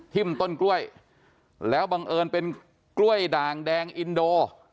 ต้นกล้วยแล้วบังเอิญเป็นกล้วยด่างแดงอินโด